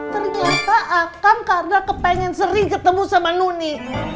ternyata akan karena kepengen sering ketemu sama nuni